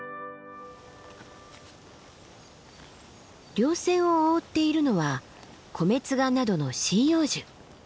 稜線を覆っているのはコメツガなどの針葉樹。